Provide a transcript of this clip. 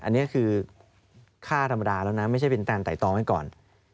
อันนี้คือค่าธรรมดาแล้วนะไม่ใช่เป็นการไต่ตองไว้ก่อน